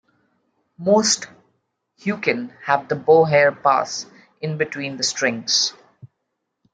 Most huqin have the bow hair pass in between the strings.